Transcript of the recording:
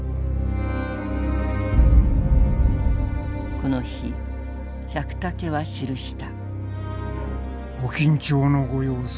この日百武は記した。